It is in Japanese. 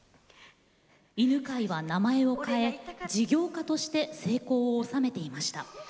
犬飼は名前を変え事業家として成功を収めていました。